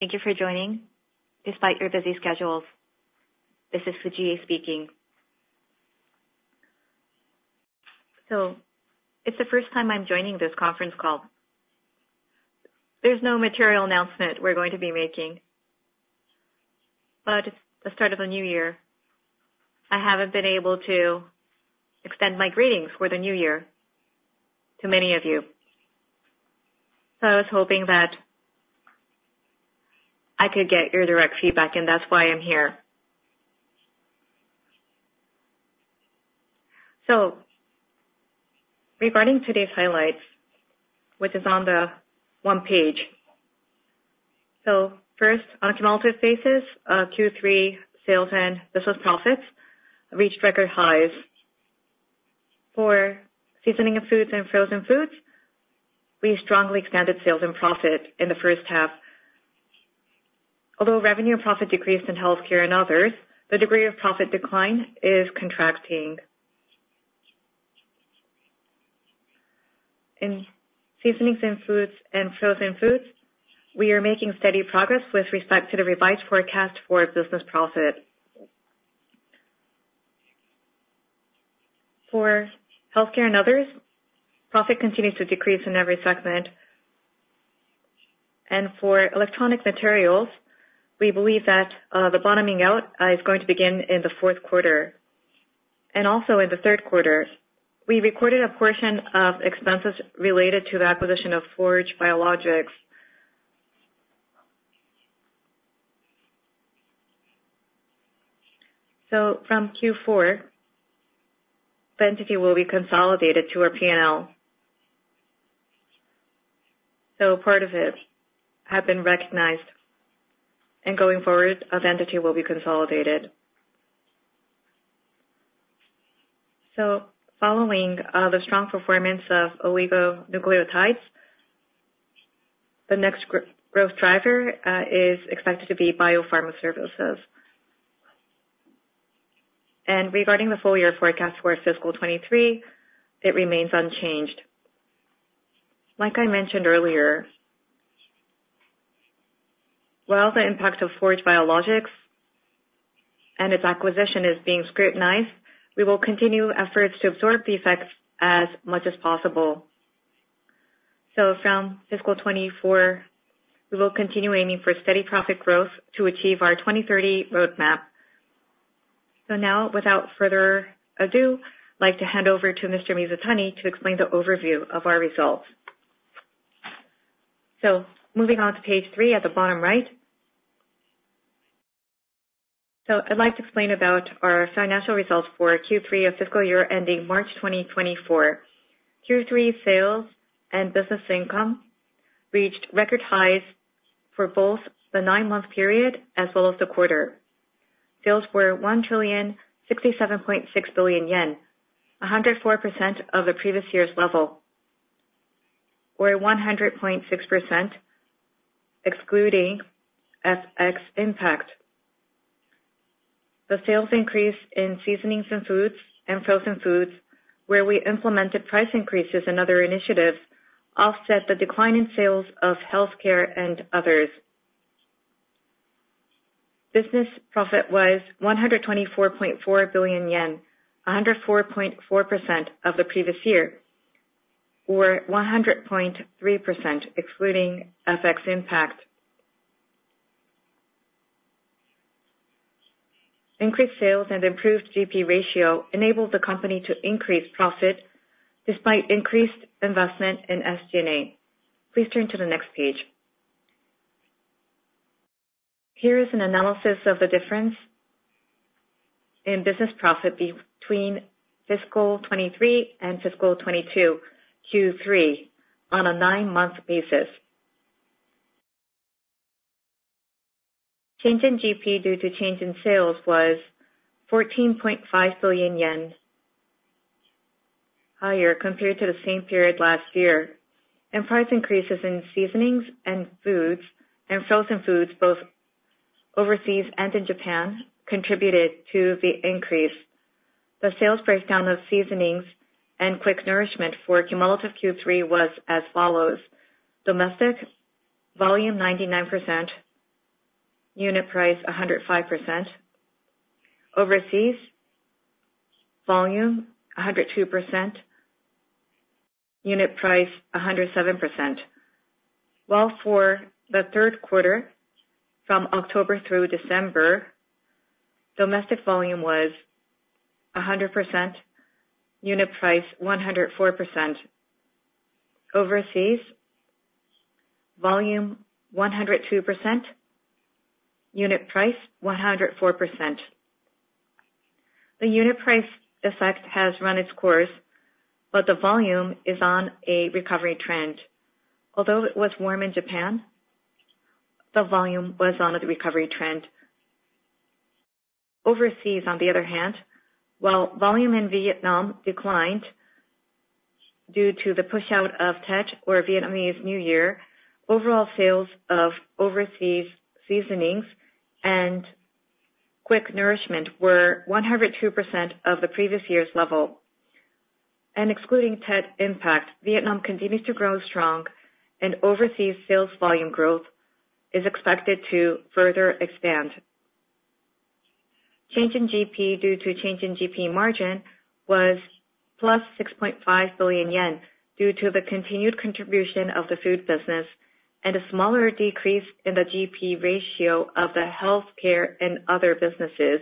Thank you for joining despite your busy schedules. This is Fujie speaking. It's the first time I'm joining this conference call. There's no material announcement we're going to be making, but the start of a new year, I haven't been able to extend my greetings for the new year to many of you. I was hoping that I could get your direct feedback, and that's why I'm here. Regarding today's highlights, which is on the one page. First, on cumulative basis, Q3 sales and business profits reached record highs. For seasonings and foods and Frozen Foods, we strongly expanded sales and profit in the first half. Although revenue and profit decreased in healthcare and others, the degree of profit decline is contracting. In seasonings and foods and Frozen Foods, we are making steady progress with respect to the revised forecast for business profit. For healthcare and others, profit continues to decrease in every segment. For electronic materials, we believe that the bottoming out is going to begin in the fourth quarter. Also in the third quarter, we recorded a portion of expenses related to the acquisition of Forge Biologics. So from Q4, the entity will be consolidated to our P&L. So part of it have been recognized, and going forward, entity will be consolidated. So following the strong performance of oligonucleotides, the next growth driver is expected to be biopharma services. Regarding the full year forecast for fiscal 2023, it remains unchanged. Like I mentioned earlier, while the impact of Forge Biologics and its acquisition is being scrutinized, we will continue efforts to absorb the effects as much as possible. From fiscal 2024, we will continue aiming for steady profit growth to achieve our 2030 roadmap. Now, without further ado, I'd like to hand over to Mr. Mizutani to explain the overview of our results. Moving on to page three at the bottom right. I'd like to explain about our financial results for Q3 of fiscal year ending March 2024. Q3 sales and business income reached record highs for both the nine-month period as well as the quarter. Sales were 1,067.6 billion yen, 104% of the previous year's level, or 100.6%, excluding FX impact. The sales increase in seasonings and foods and frozen foods, where we implemented price increases and other initiatives, offset the decline in sales of healthcare and others. Business profit was 124.4 billion yen, 104.4% of the previous year, or 100.3%, excluding FX impact. Increased sales and improved GP ratio enabled the company to increase profit despite increased investment in SG&A. Please turn to the next page. Here is an analysis of the difference in business profit between fiscal 2023 and fiscal 2022, Q3 on a nine-month basis. Change in GP due to change in sales was 14.5 billion yen, higher compared to the same period last year, and price increases in seasonings and foods and frozen foods, both overseas and in Japan, contributed to the increase. The sales breakdown of seasonings and quick nourishment for cumulative Q3 was as follows: domestic, volume, 99%, unit price, 105%. Overseas, volume 102%, unit price 107%. While for the third quarter, from October through December, domestic volume was 100%, unit price 104%. Overseas, volume 102%, unit price 104%. The unit price effect has run its course, but the volume is on a recovery trend. Although it was warm in Japan, the volume was on a recovery trend. Overseas, on the other hand, while volume in Vietnam declined due to the push out of Tet or Vietnamese New Year, overall sales of overseas seasonings and quick nourishment were 102% of the previous year's level and excluding Tet impact, Vietnam continues to grow strong, and overseas sales volume growth is expected to further expand. Change in GP due to change in GP margin was +6.5 billion yen, due to the continued contribution of the food business and a smaller decrease in the GP ratio of the healthcare and other businesses.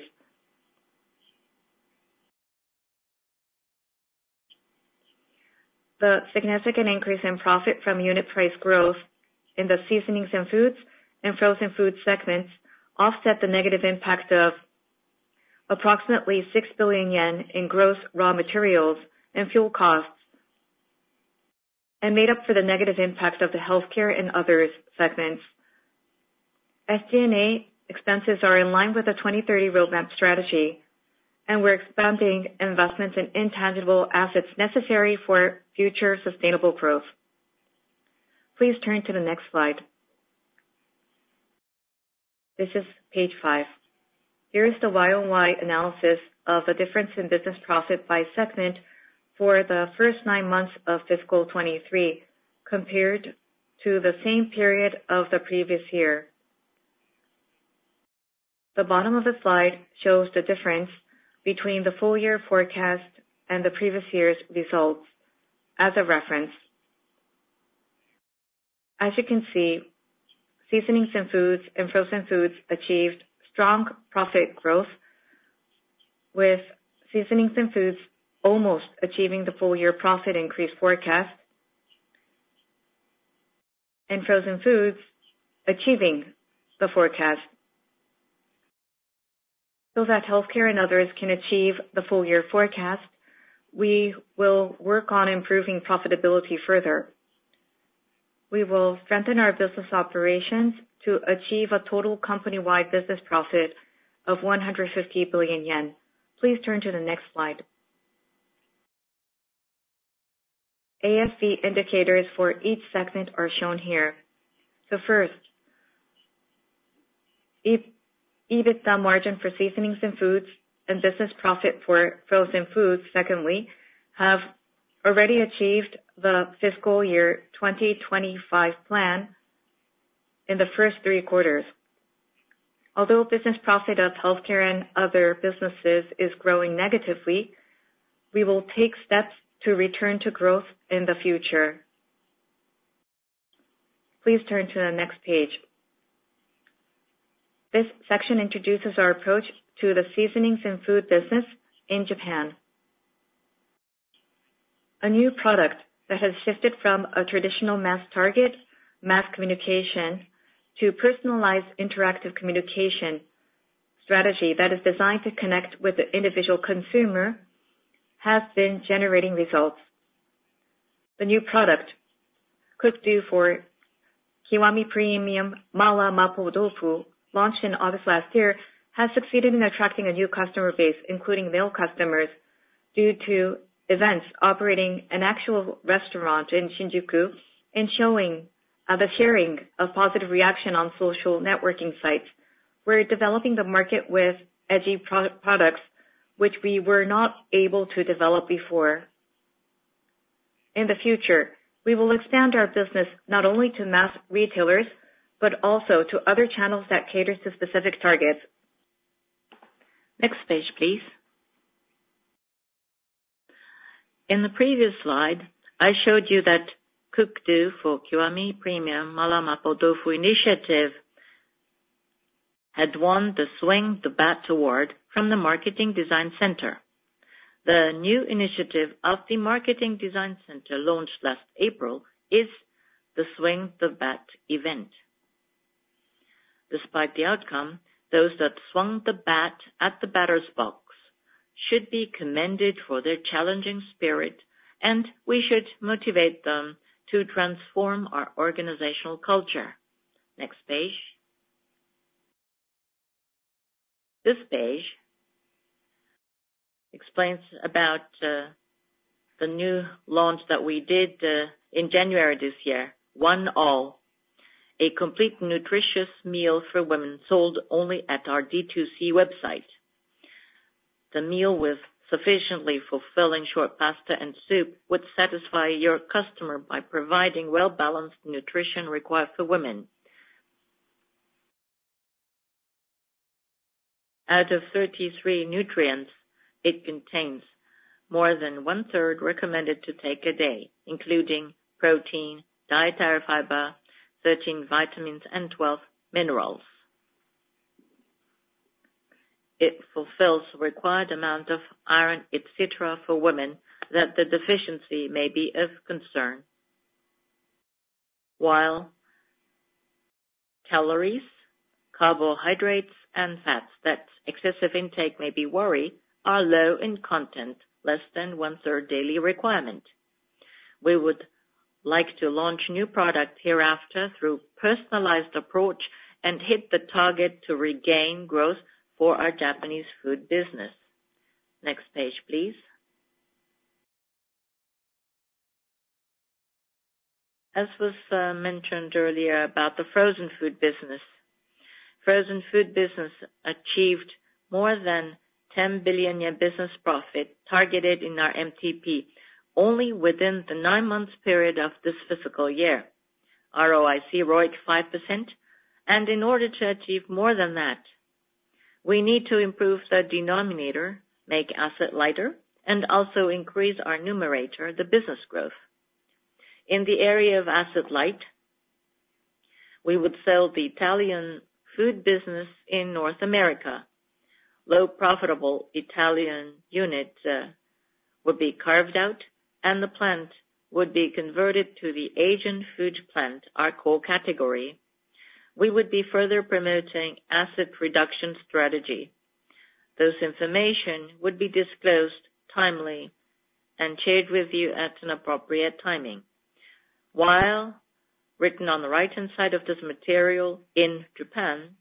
The significant increase in profit from unit price growth in the seasonings and foods and frozen food segments offset the negative impact of approximately 6 billion yen in gross raw materials and fuel costs, and made up for the negative impact of the healthcare and others segments. SG&A expenses are in line with the 2030 roadmap strategy, and we're expanding investments in intangible assets necessary for future sustainable growth. Please turn to the next slide. This is page five. Here is the Y on Y analysis of the difference in business profit by segment for the first nine months of fiscal 2023 compared to the same period of the previous year. The bottom of the slide shows the difference between the full year forecast and the previous year's results as a reference. As you can see, Seasonings and Foods and Frozen Foods achieved strong profit growth, with Seasonings and Foods almost achieving the full year profit increase forecast, and Frozen Foods achieving the forecast. So that healthcare and others can achieve the full year forecast, we will work on improving profitability further. We will strengthen our business operations to achieve a total company-wide business profit of 150 billion yen. Please turn to the next slide. ASV indicators for each segment are shown here. So first, EBITDA margin for Seasonings and Foods and business profit for Frozen Foods, secondly, have already achieved the fiscal year 2025 plan in the first three quarters. Although business profit of Healthcare and other businesses is growing negatively, we will take steps to return to growth in the future. Please turn to the next page. This section introduces our approach to the Seasonings and Food business in Japan. A new product that has shifted from a traditional mass target, mass communication, to personalized interactive communication strategy that is designed to connect with the individual consumer, has been generating results. The new product, Cook Do Kiwami Premium Mala Mapo Tofu, launched in August last year, has succeeded in attracting a new customer base, including male customers, due to events operating an actual restaurant in Shinjuku and showing the sharing of positive reaction on social networking sites. We're developing the market with AjiPro products which we were not able to develop before. In the future, we will expand our business not only to mass retailers, but also to other channels that cater to specific targets. Next page, please. In the previous slide, I showed you that Cook Do Kiwami Premium Mala Mapo Tofu initiative had won the Swing the Bat award from the Marketing Design Center. The new initiative of the Marketing Design Center, launched last April, is the Swing the Bat event. Despite the outcome, those that swung the bat at the batters box should be commended for their challenging spirit, and we should motivate them to transform our organizational culture. Next page. This page explains about the new launch that we did in January this year. One ALL, a complete nutritious meal for women, sold only at our D2C website. The meal, with sufficiently fulfilling short pasta and soup, would satisfy your customer by providing well-balanced nutrition required for women. Out of 33 nutrients, it contains more than one-third recommended to take a day, including protein, dietary fiber, 13 vitamins, and 12 minerals. It fulfills the required amount of iron, et cetera, for women, that the deficiency may be of concern. While calories, carbohydrates, and fats, that excessive intake may be worry, are low in content, less than one-third daily requirement. We would like to launch new product hereafter through personalized approach and hit the target to regain growth for our Japanese food business. Next page, please. As was mentioned earlier about the frozen food business. Frozen food business achieved more than 10 billion yen year business profit targeted in our MTP, only within the nine months period of this fiscal year. ROIC 5%, and in order to achieve more than that, we need to improve the denominator, make asset lighter, and also increase our numerator, the business growth. In the area of asset light, we would sell the Italian food business in North America. Low profitable Italian unit, uh, will be carved out, and the plant would be converted to the Asian food plant, our core category. We would be further promoting asset reduction strategy. Those information would be disclosed timely and shared with you at an appropriate timing. While written on the right-hand side of this material in Japan,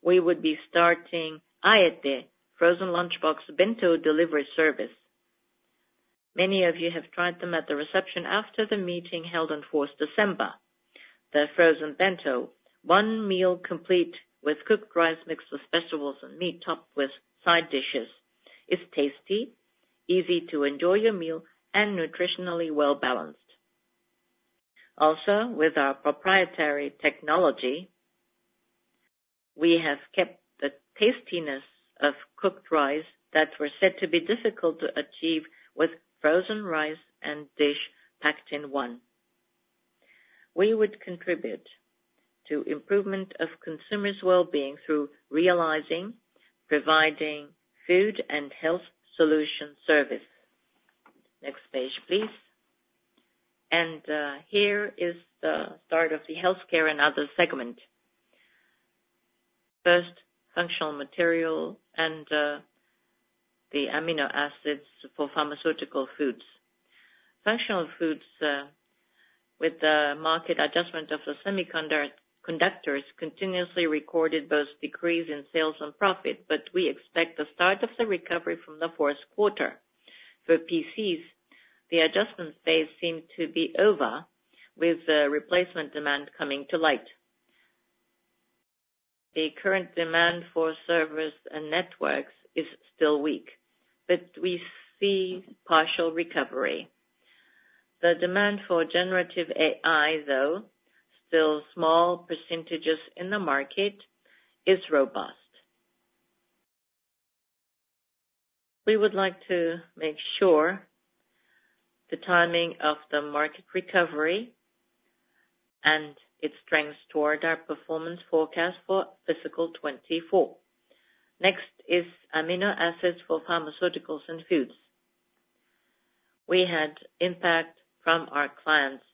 we would be starting Aete, frozen lunchbox bento delivery service. Many of you have tried them at the reception after the meeting held on fourth December. The frozen bento, one meal complete with cooked rice, mixed with vegetables and meat, topped with side dishes, is tasty, easy to enjoy your meal, and nutritionally well-balanced. Also, with our proprietary technology, we have kept the tastiness of cooked rice that were said to be difficult to achieve with frozen rice and dish packed in one. We would contribute to improvement of consumers' well-being through realizing, providing food and health solution service. Next page, please. Here is the start of the healthcare and other segment. First, Functional Materials and the amino acids for pharmaceutical foods. Functional foods, with the market adjustment of the semiconductors, continuously recorded both decrease in sales and profit, but we expect the start of the recovery from the fourth quarter. For PCs, the adjustment phase seemed to be over, with the replacement demand coming to light. The current demand for servers and networks is still weak, but we see partial recovery. The demand for generative AI, though still small percentages in the market, is robust. We would like to make sure the timing of the market recovery and its strengths toward our performance forecast for fiscal 2024. Next is amino acids for pharmaceuticals and foods. We had impact from our clients,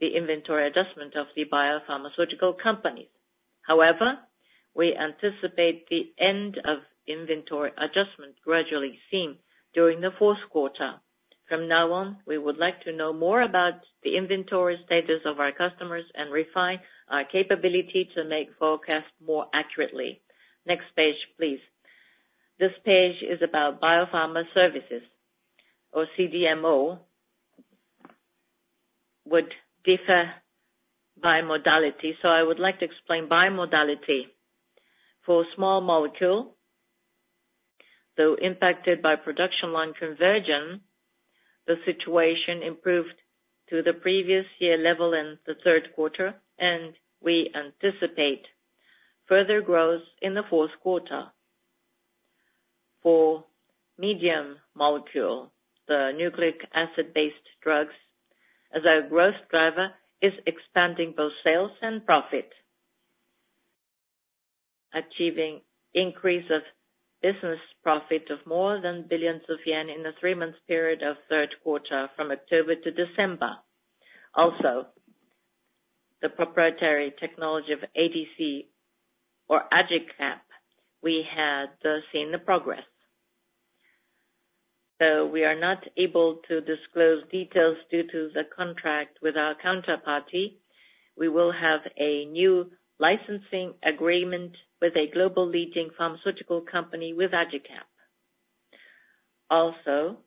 the inventory adjustment of the biopharmaceutical companies. However, we anticipate the end of inventory adjustment gradually seen during the fourth quarter. From now on, we would like to know more about the inventory status of our customers and refine our capability to make forecasts more accurately. Next page, please. This page is about Bio-Pharma Services or CDMO, would differ by modality. So I would like to explain by modality. For small molecule, though impacted by production line conversion, the situation improved to the previous year level in the third quarter, and we anticipate further growth in the fourth quarter. For medium molecule, the nucleic acid-based drugs as our growth driver, is expanding both sales and profit. Achieving increase of business profit of more than 1 billion yen in the three months period of third quarter, from October to December. Also, the proprietary technology of ADC or AJICAP, we had seen the progress. So we are not able to disclose details due to the contract with our counterparty. We will have a new licensing agreement with a global leading pharmaceutical company with AJICAP. Also,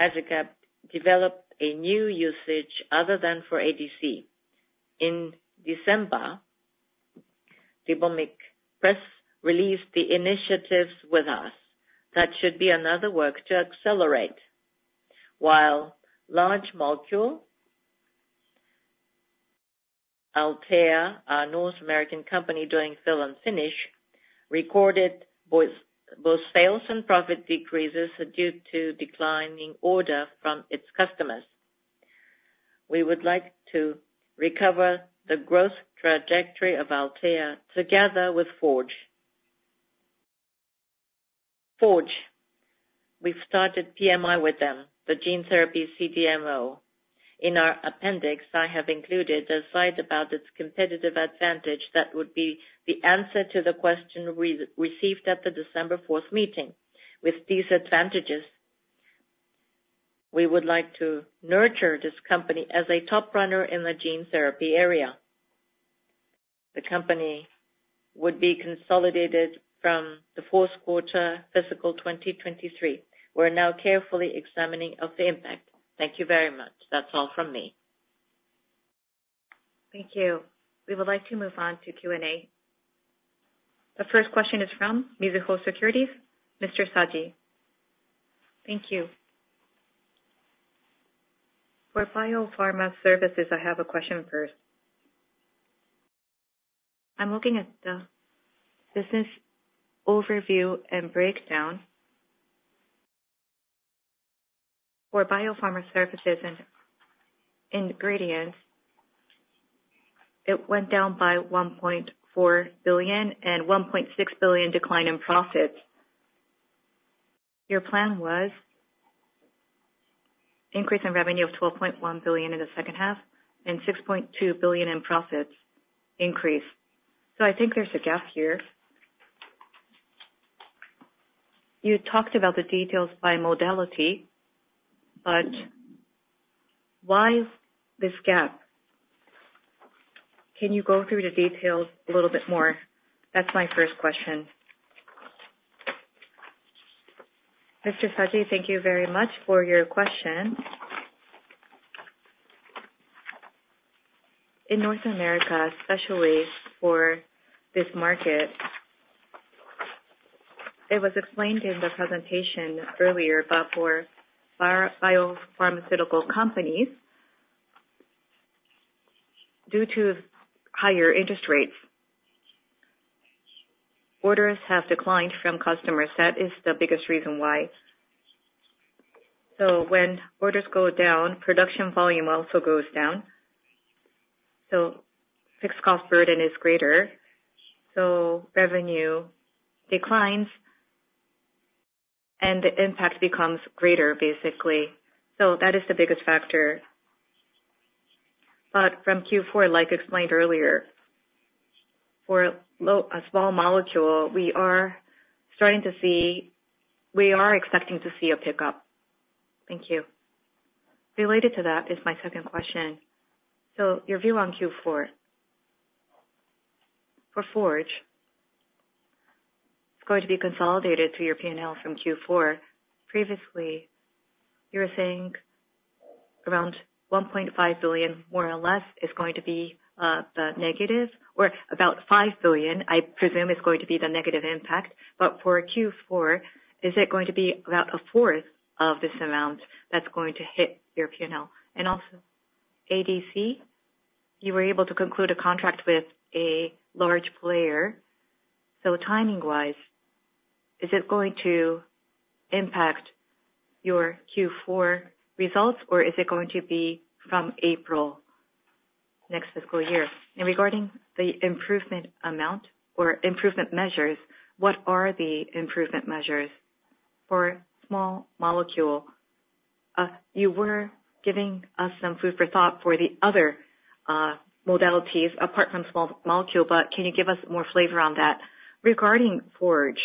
AJICAP developed a new usage other than for ADC. In December, the bomic press released the initiatives with us. That should be another work to accelerate. While large molecule, Althea, our North American company doing fill and finish, recorded both sales and profit decreases due to declining order from its customers. We would like to recover the growth trajectory of Althea together with Forge. Forge, we've started PMI with them, the gene therapy CDMO. In our appendix, I have included a slide about its competitive advantage. That would be the answer to the question we received at the December fourth meeting. With these advantages, we would like to nurture this company as a top runner in the gene therapy area. The company would be consolidated from the fourth quarter, fiscal 2023. We're now carefully examining the impact. Thank you very much. That's all from me. Thank you. We would like to move on to Q&A. The first question is from Mizuho Securities, Mr. Saji. Thank you. For Bio-Pharma services, I have a question first. I'm looking at the business overview and breakdown. For Bio-Pharma services and ingredients, it went down by 1.4 billion and 1.6 billion decline in profits. Your plan was increase in revenue of 12.1 billion in the second half and 6.2 billion in profits increase. So I think there's a gap here. You talked about the details by modality, but why is this gap? Can you go through the details a little bit more? That's my first question. Mr. Saji, thank you very much for your question. In North America, especially for this market, it was explained in the presentation earlier, but for biopharmaceutical companies, due to higher interest rates, orders have declined from customers. That is the biggest reason why. So when orders go down, production volume also goes down, so fixed cost burden is greater, so revenue declines and the impact becomes greater, basically. So that is the biggest factor. But from Q4, like explained earlier, for low, a small molecule, we are starting to see... We are expecting to see a pickup. Thank you. Related to that is my second question. So your view on Q4. For Forge, it's going to be consolidated through your P&L from Q4. Previously, you were saying around 1.5 billion, more or less, is going to be the negative, or about 5 billion, I presume, is going to be the negative impact. But for Q4, is it going to be about a fourth of this amount that's going to hit your P&L? And also ADC, you were able to conclude a contract with a large player. So timing-wise, is it going to impact your Q4 results, or is it going to be from April, next fiscal year? And regarding the improvement amount or improvement measures, what are the improvement measures for small molecule? You were giving us some food for thought for the other, modalities apart from small molecule, but can you give us more flavor on that? Regarding Forge,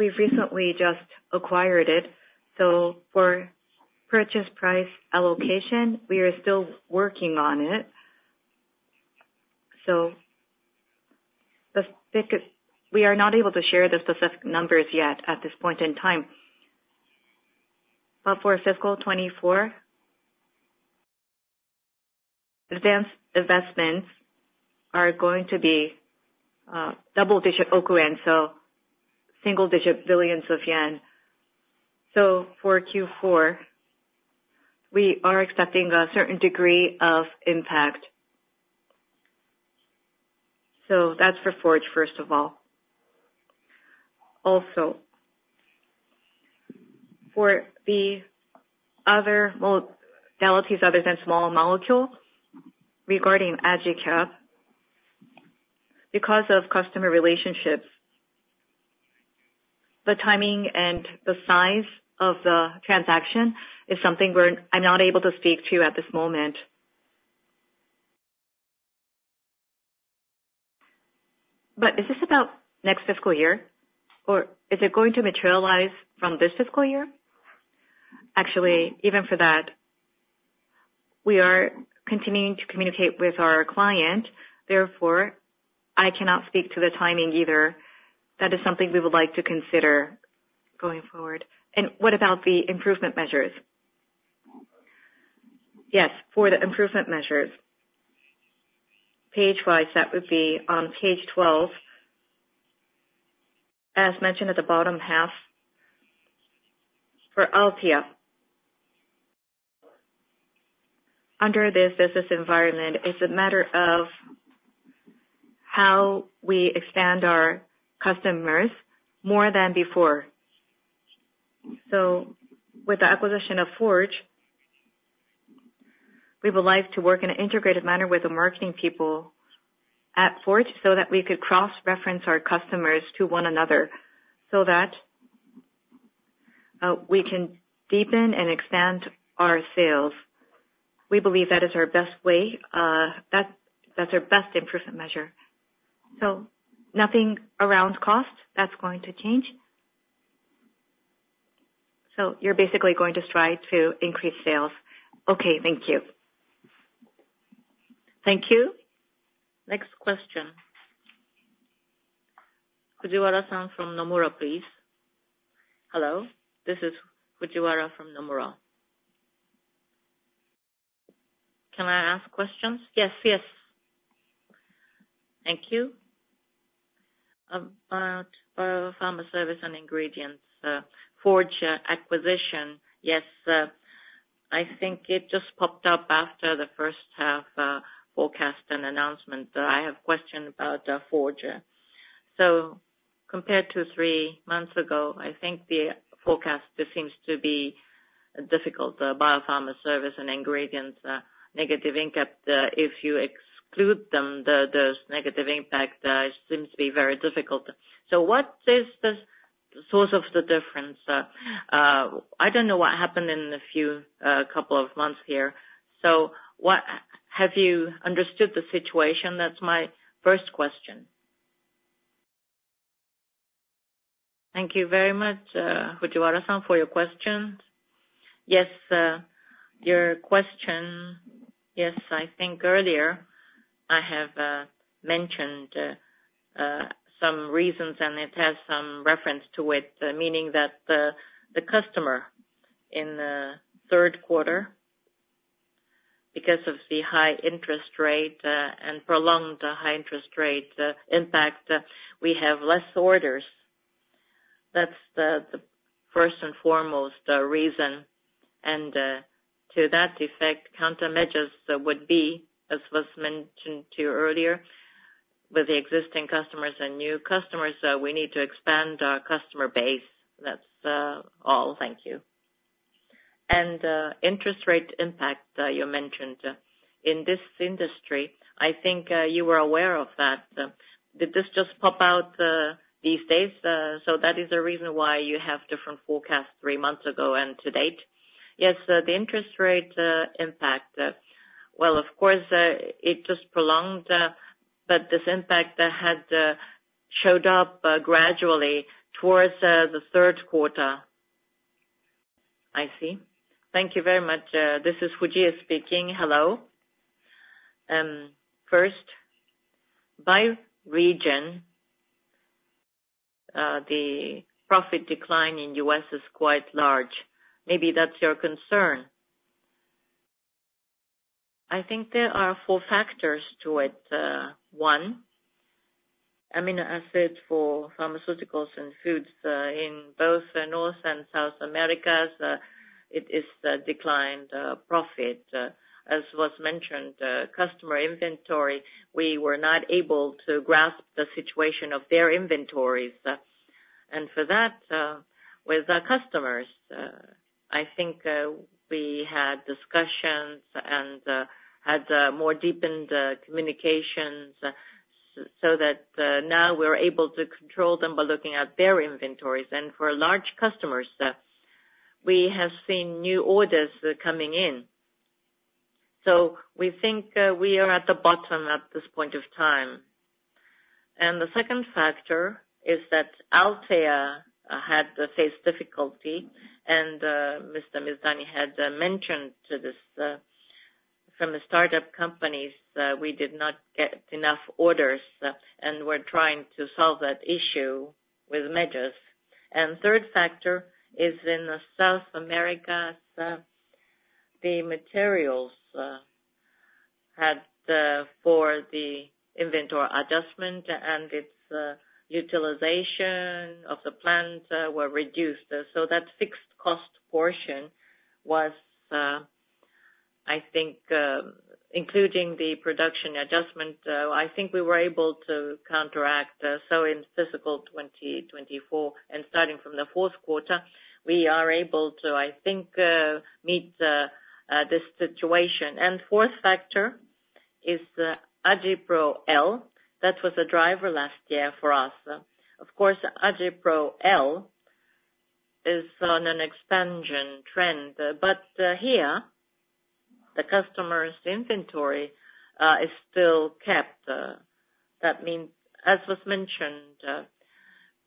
we've recently just acquired it, so for purchase price allocation, we are still working on it. So the specific, we are not able to share the specific numbers yet at this point in time. But for fiscal 2024, advanced investments are going to be double-digit oku yen, so single-digit billions of JPY. So for Q4, we are expecting a certain degree of impact. So that's for Forge, first of all. Also, for the other modalities other than small molecules, regarding AJICAP, because of customer relationships, the timing and the size of the transaction is something we're, I'm not able to speak to at this moment. But is this about next fiscal year, or is it going to materialize from this fiscal year? Actually, even for that, we are continuing to communicate with our client, therefore, I cannot speak to the timing either. That is something we would like to consider going forward. And what about the improvement measures? Yes, for the improvement measures, page wise, that would be on page 12. As mentioned at the bottom half, for LPF, under this business environment, it's a matter of how we expand our customers more than before. So with the acquisition of Forge, we would like to work in an integrated manner with the marketing people at Forge so that we could cross-reference our customers to one another, so that we can deepen and expand our sales. We believe that is our best way, that's our best improvement measure. So nothing around cost that's going to change. So you're basically going to strive to increase sales? Okay, thank you. Thank you. Next question. Fujiwara-san from Nomura, please. Hello, this is Fujiwara from Nomura. Can I ask questions? Yes. Yes. Thank you. About Bio-Pharma Services and Ingredients, Forge acquisition. Yes, I think it just popped up after the first half forecast and announcement. I have question about Forge. So compared to three months ago, I think the forecast seems to be difficult, the Bio-Pharma Services and Ingredients negative impact. If you exclude them, the negative impact seems to be very difficult. So what is the source of the difference? I don't know what happened in the few couple of months here. So what, have you understood the situation? That's my first question. Thank you very much, Fujiwara-san, for your questions. Yes, your question. Yes, I think earlier I have mentioned some reasons, and it has some reference to it, meaning that the customer in the third quarter, because of the high interest rate and prolonged high interest rate impact, we have less orders. That's the first and foremost reason. And to that effect, countermeasures would be, as was mentioned to you earlier, with the existing customers and new customers, we need to expand our customer base. That's all. Thank you. And interest rate impact you mentioned. In this industry, I think you were aware of that. Did this just pop out these days? So that is the reason why you have different forecasts three months ago and to date? Yes, the interest rate impact. Well, of course, it just prolonged, but this impact had showed up gradually towards the third quarter. I see. Thank you very much. This is Fujie speaking. Hello. First, by region, the profit decline in U.S. is quite large. Maybe that's your concern. I think there are four factors to it. One, amino acids for pharmaceuticals and foods, in both North and South Americas, it is a declined profit. As was mentioned, customer inventory, we were not able to grasp the situation of their inventories. That's and for that, with our customers, I think, we had discussions and had more deepened communications, so that now we're able to control them by looking at their inventories. And for large customers, we have seen new orders coming in. So we think we are at the bottom at this point of time. And the second factor is that Althea had faced difficulty, and Mr. Mizutani had mentioned to this. From the startup companies, we did not get enough orders, and we're trying to solve that issue with measures. And third factor is in South America. The materials had for the inventory adjustment and its utilization of the plants were reduced. So that fixed cost portion was, I think, including the production adjustment, I think we were able to counteract. So in fiscal 2024 and starting from the fourth quarter, we are able to, I think, meet this situation. And fourth factor is the AjiPro-L. That was a driver last year for us. Of course, AjiPro-L is on an expansion trend, but, here, the customer's inventory is still kept. That means, as was mentioned,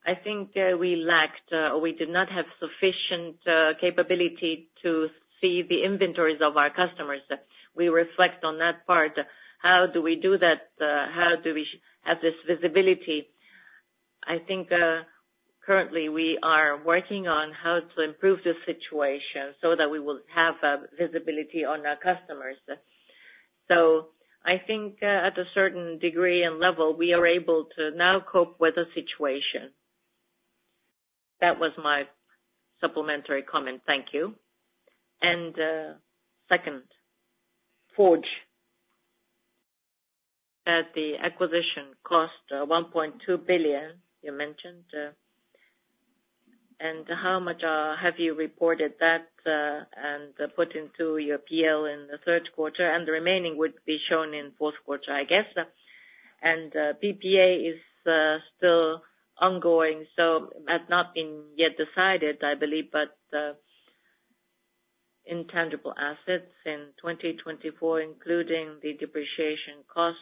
I think we lacked, or we did not have sufficient capability to see the inventories of our customers. We reflect on that part. How do we do that? How do we have this visibility? I think, currently we are working on how to improve the situation so that we will have visibility on our customers. So I think, at a certain degree and level, we are able to now cope with the situation. That was my supplementary comment. Thank you. Second, Forge, as the acquisition cost, 1.2 billion, you mentioned, and how much have you reported that and put into your PL in the third quarter, and the remaining would be shown in fourth quarter, I guess. PPA is still ongoing, so has not been yet decided, I believe, but intangible assets in 2024, including the depreciation cost,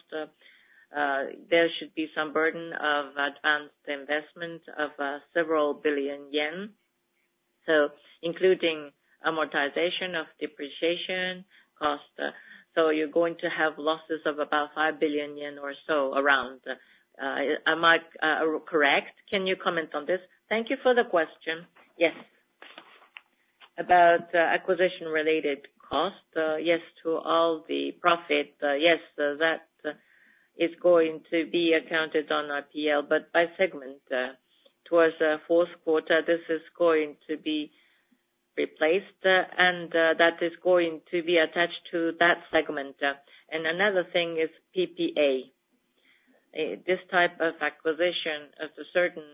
there should be some burden of advanced investment of several billion JPY. So including amortization of depreciation cost, so you're going to have losses of about 5 billion yen or so around. Am I correct? Can you comment on this? Thank you for the question. Yes. About acquisition-related costs, yes, to all the profit. Yes, that is going to be accounted on our PL, but by segment. Towards the fourth quarter, this is going to be replaced, and, that is going to be attached to that segment. And another thing is PPA. This type of acquisition, as a certain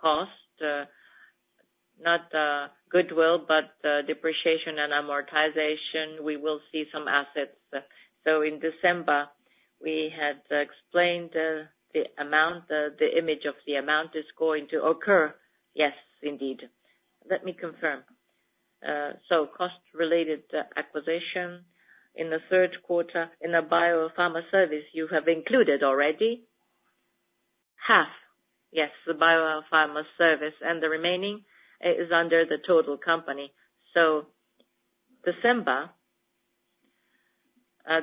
cost, not, goodwill, but, depreciation and amortization, we will see some assets. So in December, we had explained, the amount, the image of the amount is going to occur. Yes, indeed. Let me confirm. So cost-related acquisition in the third quarter in a Bio-Pharma Services, you have included already? Half. Yes, the Bio-Pharma service, and the remaining is under the total company. December,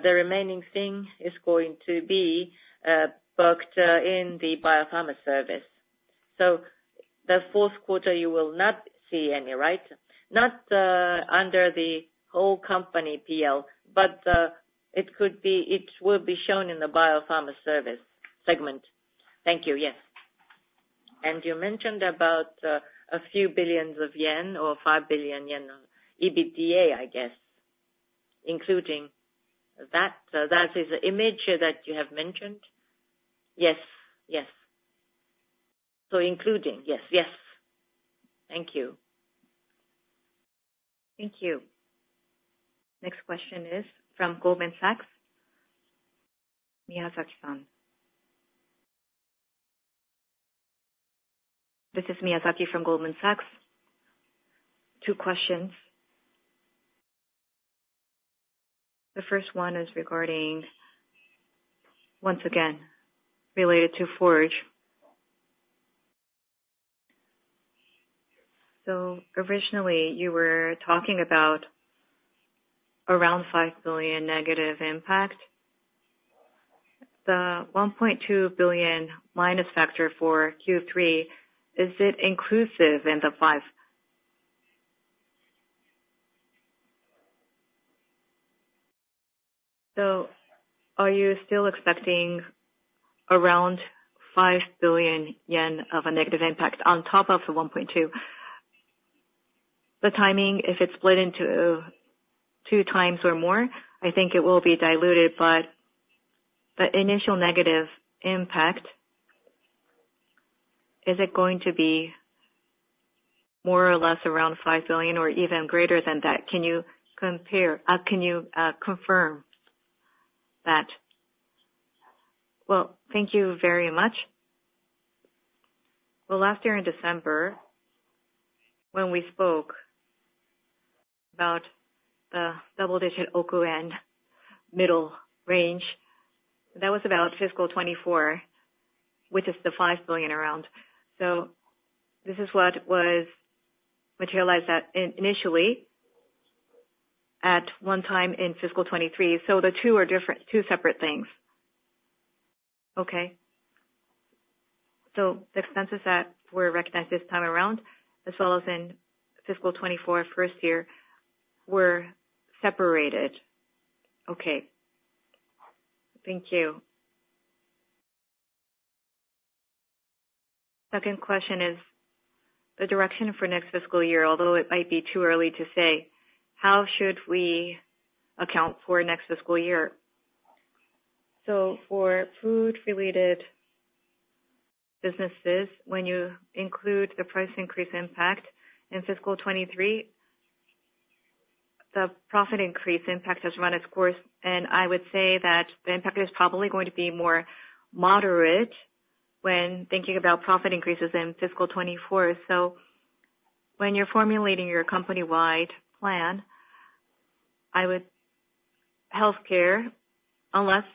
the remaining thing is going to be booked in the Bio-Pharma Services. The fourth quarter, you will not see any, right? Not under the whole company PL, but it could be - it will be shown in the Bio-Pharma Services segment. Thank you. Yes. You mentioned about a few billion JPY or 5 billion yen EBITDA, I guess, including that. That is the image that you have mentioned? Yes. Yes. So including. Yes. Yes. Thank you. Thank you. Next question is from Goldman Sachs, Miyazaki-san. This is Miyazaki from Goldman Sachs. Two questions. The first one is regarding, once again, related to Forge. So originally, you were talking about around 5 billion negative impact. The 1.2 billion minus factor for Q3, is it inclusive in the five? So are you still expecting around 5 billion yen of a negative impact on top of the 1.2? The timing, if it's split into 2 times or more, I think it will be diluted, but the initial negative impact, is it going to be more or less around 5 billion or even greater than that? Can you compare, can you confirm that? Well, thank you very much. Well, last year in December, when we spoke about the double-digit oku and middle range, that was about fiscal 2024, which is the 5 billion around. So this is what was materialized at initially at one time in fiscal 2023. So the two are different, two separate things. Okay. So the expenses that were recognized this time around, as well as in fiscal 2024 first year, were separated. Okay. Thank you. Second question is the direction for next fiscal year. Although it might be too early to say, how should we account for next fiscal year? So for food-related businesses, when you include the price increase impact in fiscal 2023, the profit increase impact has run its course, and I would say that the impact is probably going to be more moderate when thinking about profit increases in fiscal 2024. So when you're formulating your company-wide plan, I would—Healthcare, unless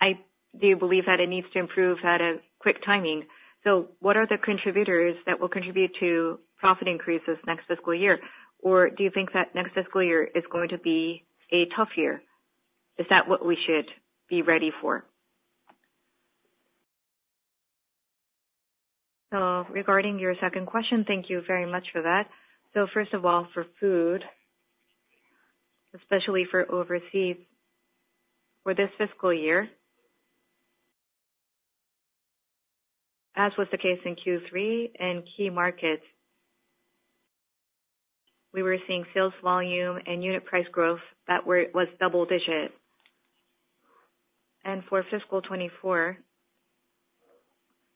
I do believe that it needs to improve at a quick timing. So what are the contributors that will contribute to profit increases next fiscal year? Or do you think that next fiscal year is going to be a tough year? Is that what we should be ready for? So regarding your second question, thank you very much for that. So first of all, for food, especially for overseas, for this fiscal year, as was the case in Q3 and key markets, we were seeing sales volume and unit price growth that were—was double-digit. And for fiscal 2024,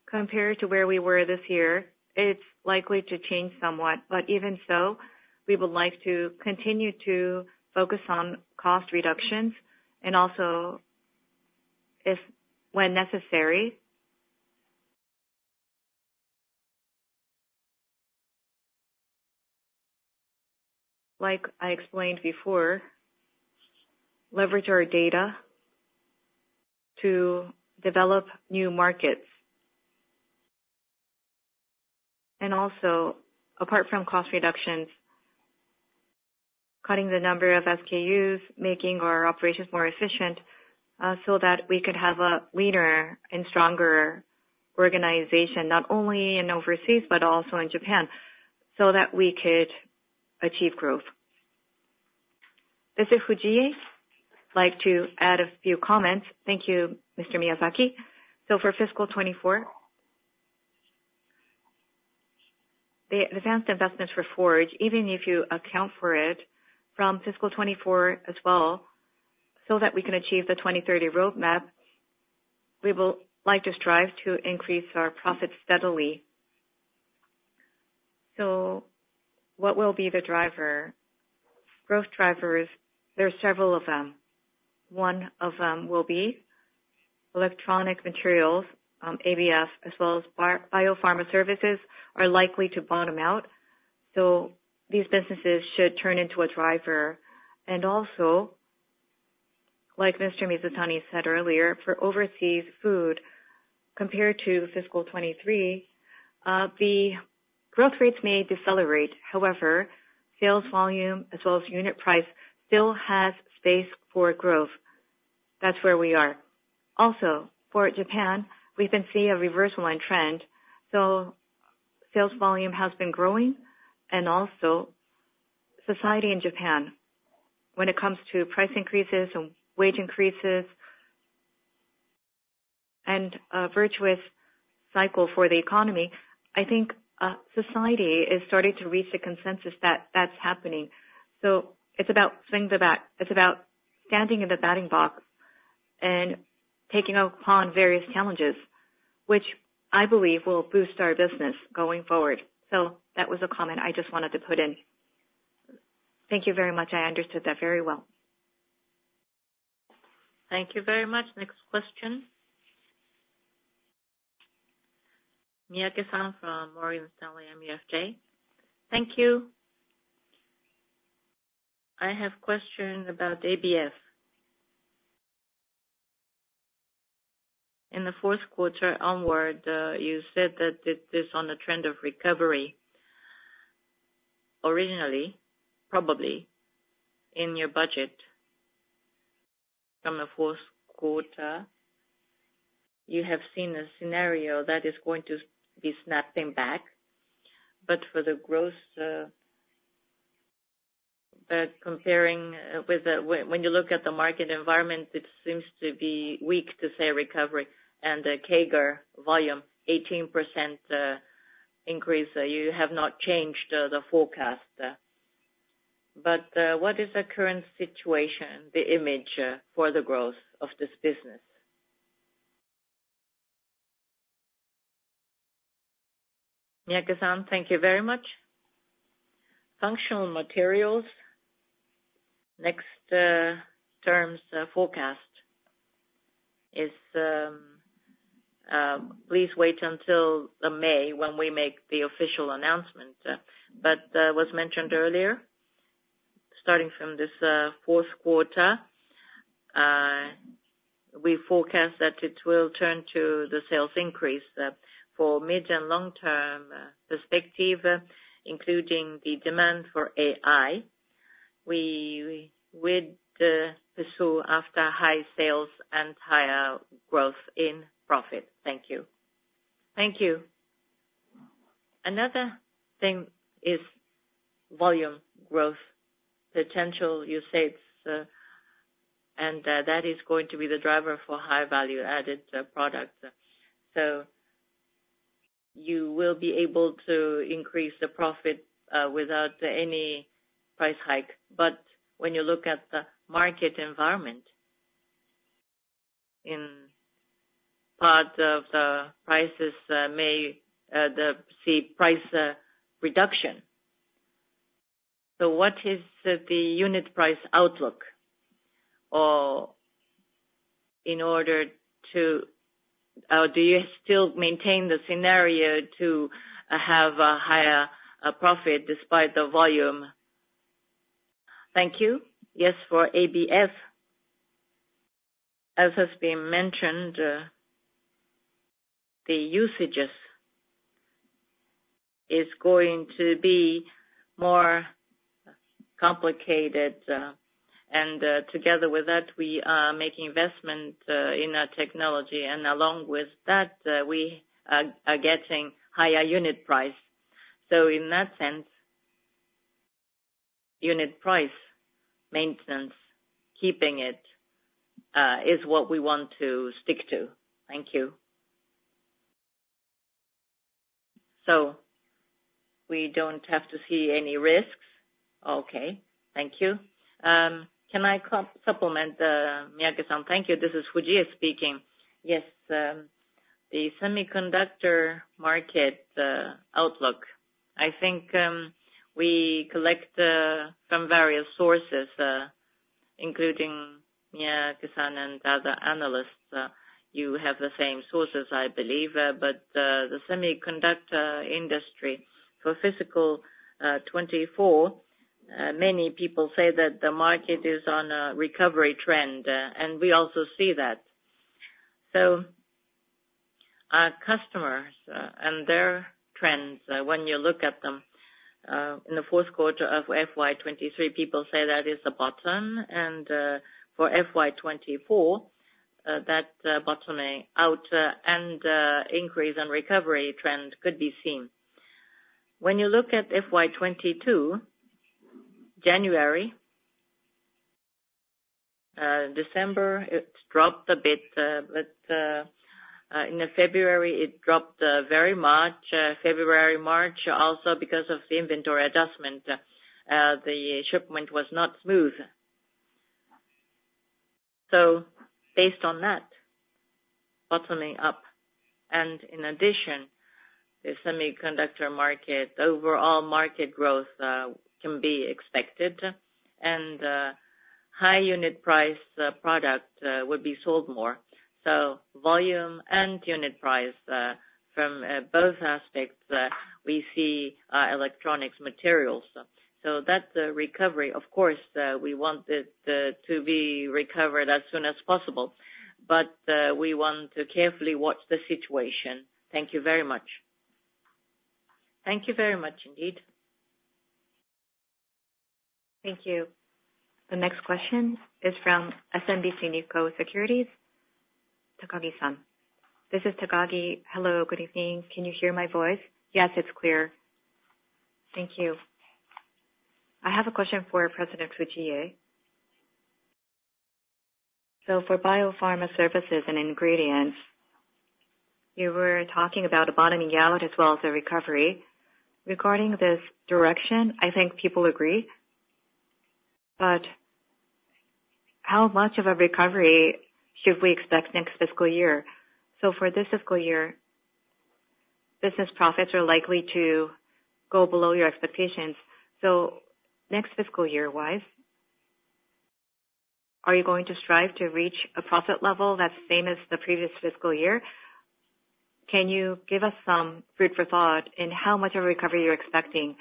compared to where we were this year, it's likely to change somewhat, but even so, we would like to continue to focus on cost reductions and also if when necessary—like I explained before, leverage our data to develop new markets. And also, apart from cost reductions, cutting the number of SKUs, making our operations more efficient, so that we could have a leaner and stronger organization, not only overseas but also in Japan, so that we could achieve growth. This is Fujie. I'd like to add a few comments. Thank you, Mr. Miyazaki. So for fiscal 2024, the advanced investments for Forge, even if you account for it from fiscal 2024 as well, so that we can achieve the 2030 roadmap, we will like to strive to increase our profits steadily. So what will be the driver? Growth drivers, there are several of them. One of them will be electronic materials, ABF, as well as Bio-Pharma services are likely to bottom out, so these businesses should turn into a driver. And also, like Mr. Mizutani said earlier, for overseas food, compared to fiscal 2023, the growth rates may decelerate. However, sales volume as well as unit price still has space for growth. That's where we are. Also, for Japan, we can see a reversal line trend, so sales volume has been growing and also society in Japan, when it comes to price increases and wage increases and a virtuous cycle for the economy, I think, society is starting to reach a consensus that that's happening. So it's about things about... It's about standing in the batting box and taking upon various challenges, which I believe will boost our business going forward. So that was a comment I just wanted to put in. Thank you very much. I understood that very well. Thank you very much. Next question. Miyake-san from Morgan Stanley MUFG. Thank you. I have question about ABF. In the fourth quarter onward, you said that it is on a trend of recovery. Originally, probably in your budget from the fourth quarter, you have seen a scenario that is going to be snapping back. But for the growth, the comparing with the, when you look at the market environment, it seems to be weak to say recovery and the CAGR volume 18% increase. You have not changed the forecast. But, what is the current situation, the image for the growth of this business? Miyake-san, thank you very much. Functional materials, next term's forecast is, please wait until the May when we make the official announcement. But, as was mentioned earlier, starting from this fourth quarter, we forecast that it will turn to the sales increase for mid- and long-term perspective, including the demand for AI. We would pursue after high sales and higher growth in profit. Thank you. Thank you. Another thing is volume growth potential, you said, and that is going to be the driver for high-value-added product. So you will be able to increase the profit without any price hike. But when you look at the market environment, in part of the prices may see price reduction. So what is the unit price outlook? Or in order to, do you still maintain the scenario to have a higher profit despite the volume? Thank you. Yes, for ABF, as has been mentioned, the usages is going to be more complicated, and together with that, we are making investment in our technology, and along with that, we are getting higher unit price. So in that sense, unit price maintenance, keeping it, is what we want to stick to. Thank you. So we don't have to see any risks? Okay, thank you. Can I supplement, Miyake-san? Thank you. This is Fujie speaking. Yes, the semiconductor market outlook, I think, we collect from various sources including Okasan and the other analysts, you have the same sources, I believe, but the semiconductor industry for fiscal 2024, many people say that the market is on a recovery trend, and we also see that. So our customers and their trends, when you look at them, in the fourth quarter of FY 2023, people say that is the bottom, and for FY 2024, that bottoming out and increase and recovery trend could be seen. When you look at FY 2022, January, December, it dropped a bit, but in February, it dropped very much, February, March, also, because of the inventory adjustment, the shipment was not smooth. So based on that, bottoming out, and in addition, the semiconductor market, overall market growth, can be expected, and high unit price product would be sold more. So volume and unit price from both aspects we see electronic materials. So that's the recovery. Of course, we want it to be recovered as soon as possible, but we want to carefully watch the situation. Thank you very much. Thank you very much, indeed. Thank you. The next question is from SMBC Nikko Securities, Takagi San. This is Takagi. Hello, good evening. Can you hear my voice? Yes, it's clear. Thank you. I have a question for President Fujie. So for Bio-Pharma services and ingredients, you were talking about a bottoming out as well as a recovery. Regarding this direction, I think people agree, but how much of a recovery should we expect next fiscal year? So for this fiscal year, business profits are likely to go below your expectations. So next fiscal year wise, are you going to strive to reach a profit level that's same as the previous fiscal year? Can you give us some food for thought in how much of a recovery you're expecting?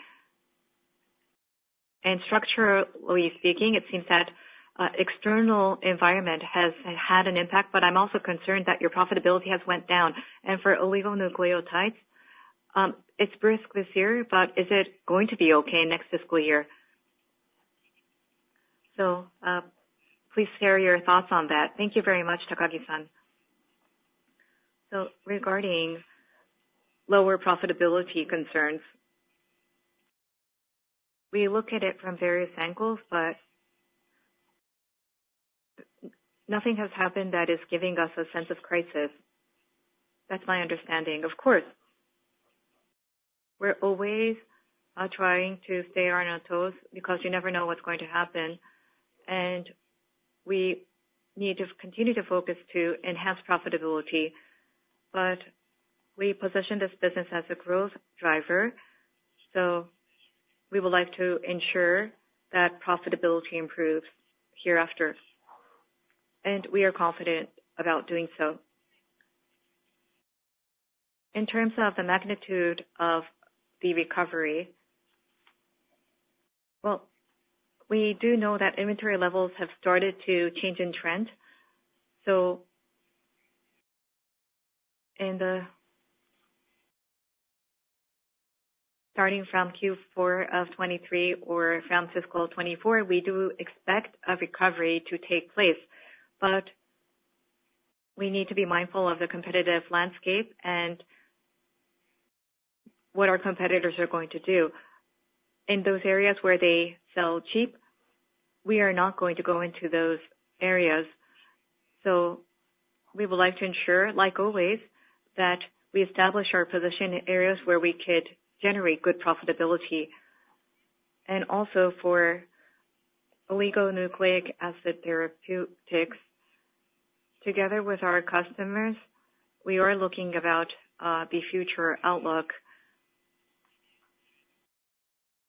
And structurally speaking, it seems that, external environment has had an impact, but I'm also concerned that your profitability has went down. For oligonucleotides, it's brisk this year, but is it going to be okay next fiscal year? Please share your thoughts on that. Thank you very much, Takagi-san. Regarding lower profitability concerns, we look at it from various angles, but nothing has happened that is giving us a sense of crisis. That's my understanding. Of course, we're always trying to stay on our toes because you never know what's going to happen, and we need to continue to focus to enhance profitability, but we position this business as a growth driver, so we would like to ensure that profitability improves hereafter, and we are confident about doing so. In terms of the magnitude of the recovery, well, we do know that inventory levels have started to change in trend. So in the starting from Q4 of 2023 or from fiscal 2024, we do expect a recovery to take place, but we need to be mindful of the competitive landscape and what our competitors are going to do. In those areas where they sell cheap, we are not going to go into those areas. So we would like to ensure, like always, that we establish our position in areas where we could generate good profitability. And also for oligonucleotide acid therapeutics, together with our customers, we are looking about the future outlook.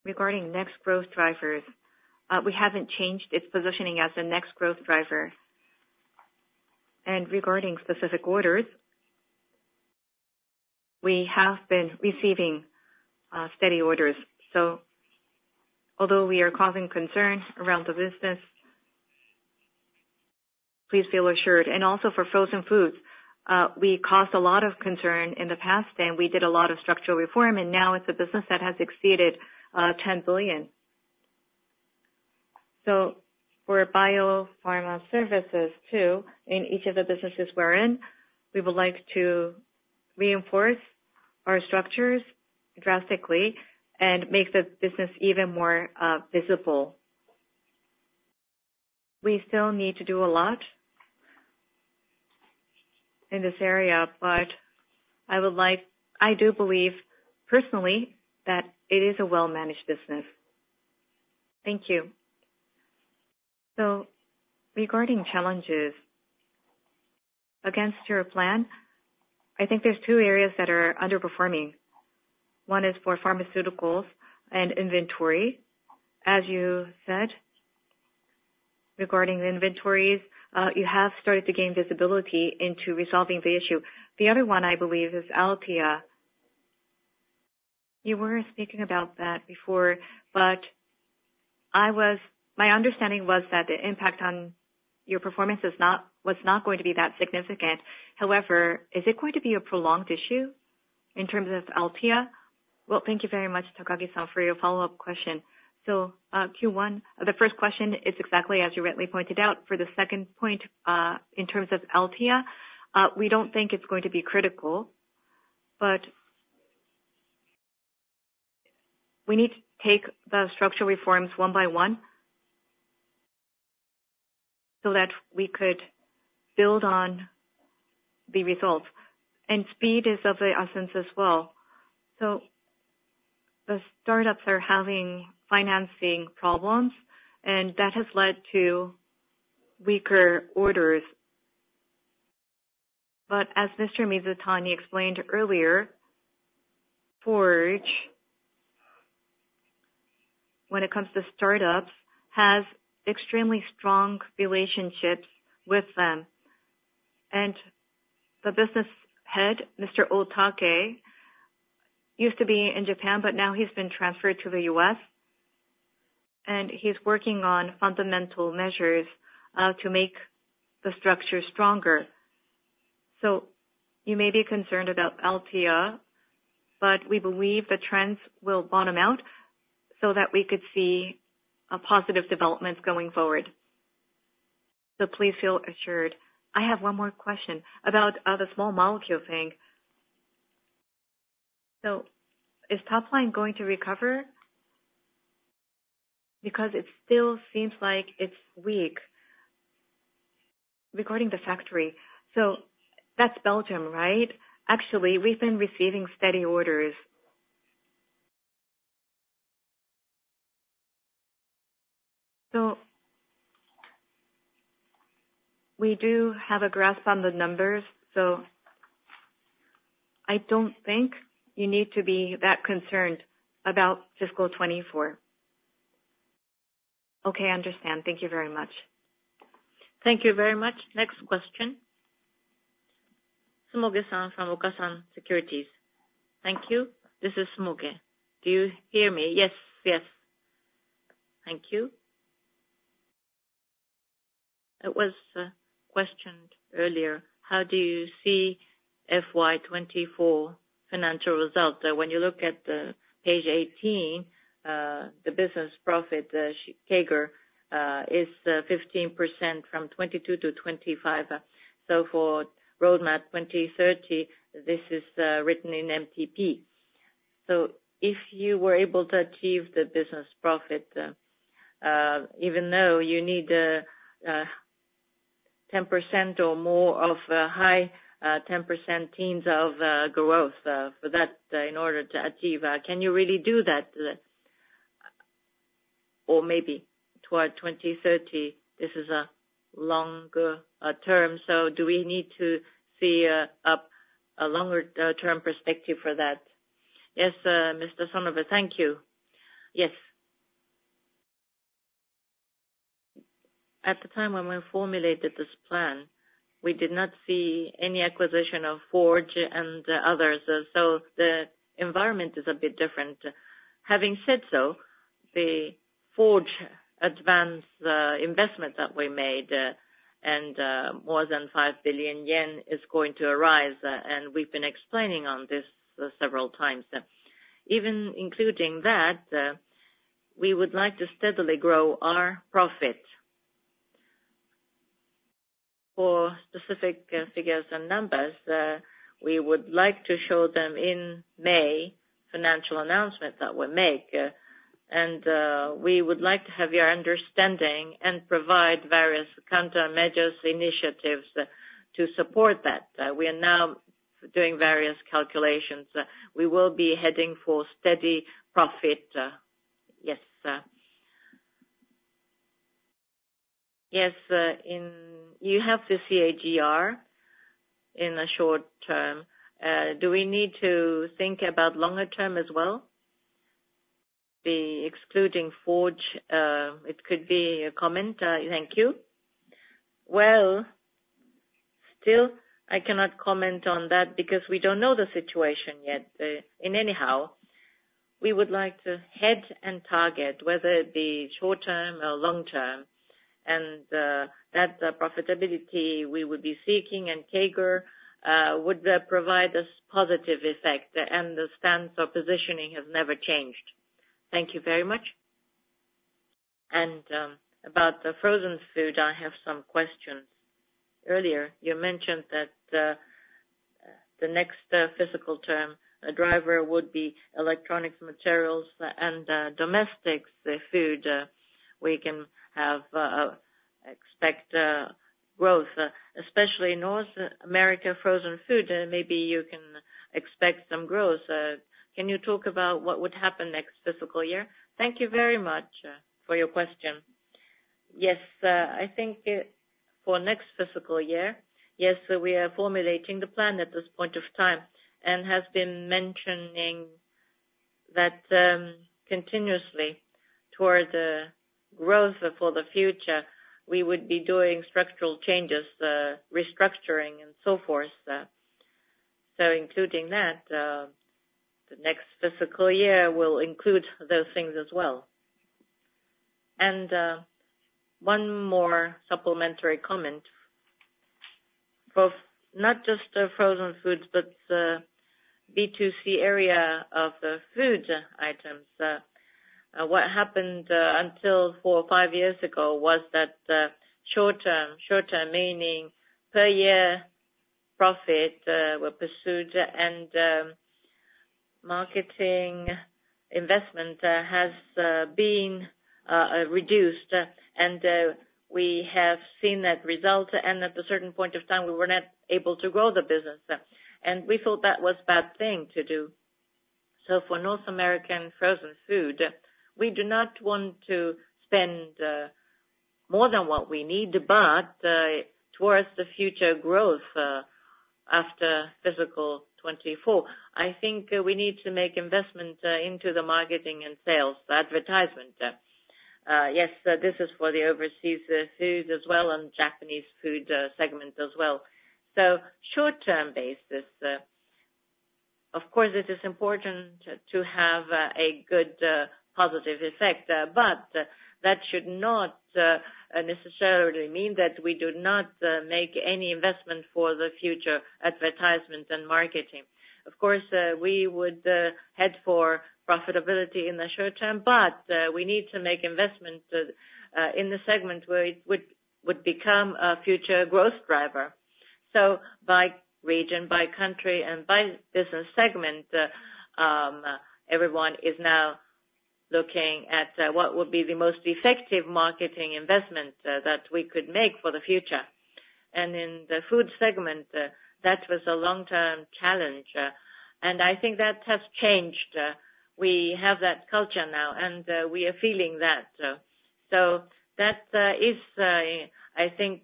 Regarding next growth drivers, we haven't changed its positioning as the next growth driver. And regarding specific orders, we have been receiving steady orders. So although we are causing concern around the business, please feel assured. And also for Frozen Foods, we caused a lot of concern in the past, and we did a lot of structural reform, and now it's a business that has exceeded 10 billion. So for biopharma services, too, in each of the businesses we're in, we would like to reinforce our structures drastically and make the business even more visible. We still need to do a lot in this area, but I would like... I do believe personally that it is a well-managed business. Thank you. So regarding challenges against your plan, I think there's two areas that are underperforming. One is for pharmaceuticals and inventory. As you said, regarding the inventories, you have started to gain visibility into resolving the issue. The other one, I believe, is Althea. You were speaking about that before, but I was—my understanding was that the impact on your performance is not, was not going to be that significant. However, is it going to be a prolonged issue in terms of Althea? Well, thank you very much, Takagi-san, for your follow-up question. So, Q1, the first question is exactly as you rightly pointed out. For the second point, in terms of Althea, we don't think it's going to be critical, but we need to take the structural reforms one by one, so that we could build on the results. And speed is of the essence as well. So the startups are having financing problems, and that has led to weaker orders. But as Mr. Mizutani explained earlier, Forge, when it comes to startups, has extremely strong relationships with them. And the business head, Mr. Otake, used to be in Japan, but now he's been transferred to the US, and he's working on fundamental measures, to make the structure stronger. So you may be concerned about Althea, but we believe the trends will bottom out so that we could see, positive developments going forward. So please feel assured. I have one more question about, the small molecule thing. So is top line going to recover? Because it still seems like it's weak. Regarding the factory, so that's Belgium, right? Actually, we've been receiving steady orders. So we do have a grasp on the numbers, so I don't think you need to be that concerned about fiscal 2024. Okay, I understand. Thank you very much. Thank you very much. Next question. Sonobe-san from Okasan Securities. Thank you. This is Sonobe. Do you hear me? Yes. Yes. Thank you. It was questioned earlier, how do you see FY 2024 financial results? When you look at the page 18, the business profit, the CAGR is 15% from 2022 to 2025. So for Roadmap 2030, this is written in MTP. So if you were able to achieve the business profit, even though you need 10% or more of high teens of growth for that, in order to achieve, can you really do that? Or maybe toward 2030, this is a longer term, so do we need to see a longer term perspective for that? Yes, Mr. Sonobe, thank you. Yes. At the time when we formulated this plan, we did not see any acquisition of Forge and others, so the environment is a bit different. Having said so, the Forge advance investment that we made, and more than 5 billion yen, is going to arise, and we've been explaining on this several times. Even including that, we would like to steadily grow our profit. For specific figures and numbers, we would like to show them in May financial announcement that we make, and we would like to have your understanding and provide various countermeasures, initiatives to support that. We are now doing various calculations. We will be heading for steady profit, yes. Yes, You have the CAGR in the short term. Do we need to think about longer term as well? Then excluding Forge, it could be a comment. Thank you Well, still, I cannot comment on that because we don't know the situation yet. In anyhow, we would like to head and target, whether it be short term or long term, and that profitability we would be seeking and CAGR would provide us positive effect, and the stance of positioning has never changed. Thank you very much. And about the frozen food, I have some questions. Earlier, you mentioned that the next fiscal year driver would be electronic materials, and domestic food. We can expect growth, especially in North America frozen food, maybe you can expect some growth. Can you talk about what would happen next fiscal year? Thank you very much for your question. Yes, I think it, for next fiscal year, yes, we are formulating the plan at this point of time, and has been mentioning that, continuously toward the growth for the future, we would be doing structural changes, restructuring, and so forth. So including that, the next fiscal year will include those things as well. And, one more supplementary comment. For not just the Frozen Foods, but the B2C area of the food items. What happened, until four or five years ago was that, short term, short term, meaning per year profit, were pursued, and, marketing investment has been reduced. And, we have seen that result, and at a certain point of time, we were not able to grow the business. And we thought that was a bad thing to do. So for North American frozen food, we do not want to spend more than what we need, but towards the future growth after fiscal 2024, I think we need to make investment into the marketing and sales, advertisement. Yes, this is for the overseas food as well, and Japanese food segment as well. So short-term basis, of course, it is important to have a good positive effect, but that should not necessarily mean that we do not make any investment for the future advertisements and marketing. Of course, we would head for profitability in the short term, but we need to make investments in the segment where it would become a future growth driver. So by region, by country, and by business segment, everyone is now looking at what would be the most effective marketing investment that we could make for the future. And in the food segment, that was a long-term challenge, and I think that has changed. We have that culture now, and we are feeling that. So that is, I think,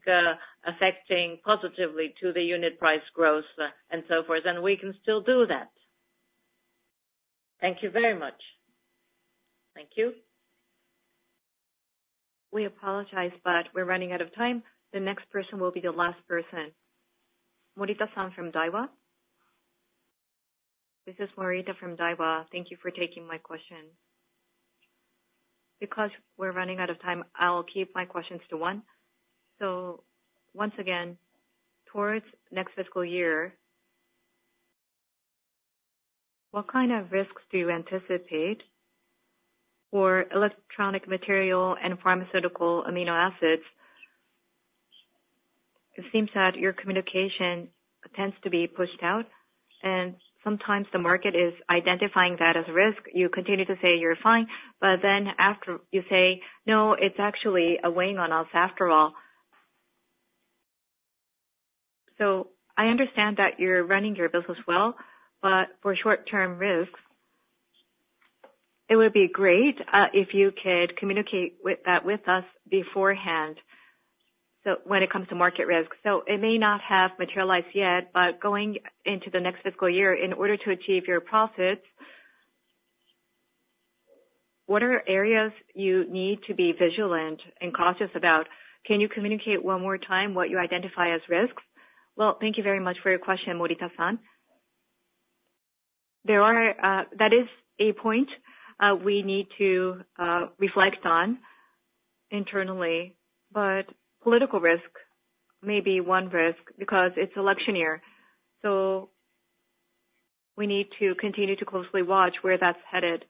affecting positively to the unit price growth and so forth, and we can still do that. Thank you very much. Thank you. We apologize, but we're running out of time. The next person will be the last person. Morita-san from Daiwa? This is Morita from Daiwa. Thank you for taking my question. Because we're running out of time, I'll keep my questions to one. So once again, towards next fiscal year, what kind of risks do you anticipate for electronic material and pharmaceutical amino acids? It seems that your communication tends to be pushed out, and sometimes the market is identifying that as a risk. You continue to say you're fine, but then after you say, "No, it's actually a weighing on us after all." So I understand that you're running your business well, but for short-term risks, it would be great if you could communicate with that with us beforehand. So when it comes to market risk, so it may not have materialized yet, but going into the next fiscal year, in order to achieve your profits, what are areas you need to be vigilant and cautious about? Can you communicate one more time what you identify as risks? Well, thank you very much for your question, Morita-san. There are, that is a point, we need to reflect on internally, but political risk may be one risk because it's election year. So we need to continue to closely watch where that's headed.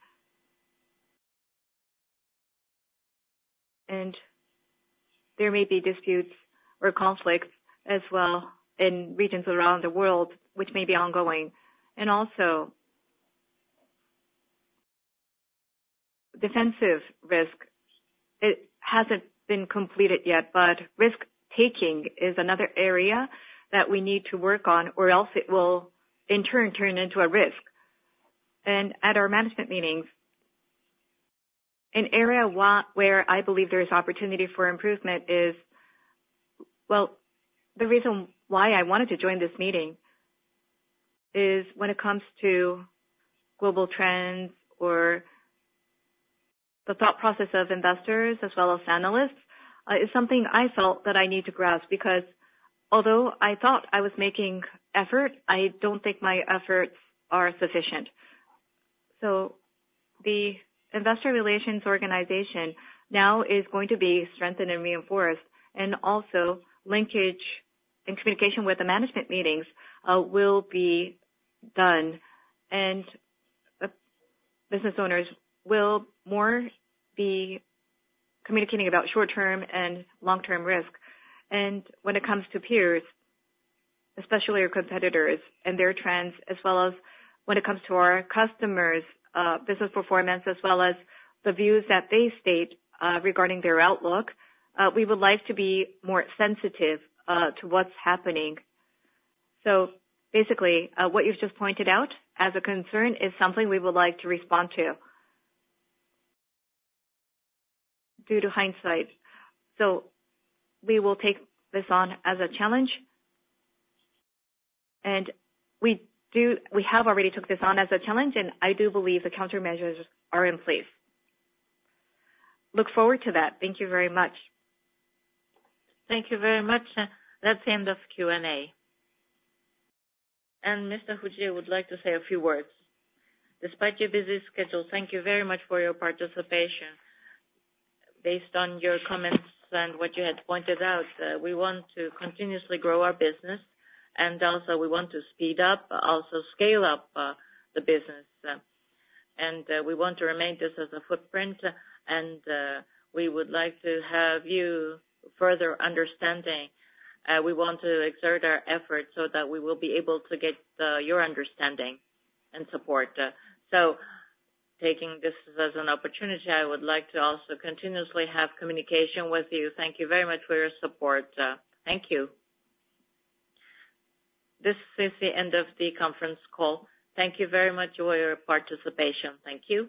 And there may be disputes or conflicts as well in regions around the world which may be ongoing, and also defensive risk. It hasn't been completed yet, but risk-taking is another area that we need to work on, or else it will, in turn, turn into a risk. At our management meetings, an area where I believe there is opportunity for improvement is, well, the reason why I wanted to join this meeting is when it comes to global trends or the thought process of investors as well as analysts, is something I felt that I need to grasp, because although I thought I was making effort, I don't think my efforts are sufficient. So the investor relations organization now is going to be strengthened and reinforced, and also linkage and communication with the management meetings will be done, and the business owners will more be communicating about short-term and long-term risk. When it comes to peers, especially our competitors and their trends, as well as when it comes to our customers', business performance, as well as the views that they state, regarding their outlook, we would like to be more sensitive to what's happening. So basically, what you've just pointed out as a concern is something we would like to respond to. Due to hindsight. So we will take this on as a challenge, and we do. We have already took this on as a challenge, and I do believe the countermeasures are in place. Look forward to that. Thank you very much. Thank you very much. That's the end of Q&A. And Mr. Fujie would like to say a few words. Despite your busy schedule, thank you very much for your participation. Based on your comments and what you had pointed out, we want to continuously grow our business and also we want to speed up, also scale up, the business. And, we want to remain this as a footprint, and, we would like to have you further understanding. We want to exert our efforts so that we will be able to get, your understanding and support. So taking this as an opportunity, I would like to also continuously have communication with you. Thank you very much for your support, thank you. This is the end of the conference call. Thank you very much for your participation. Thank you.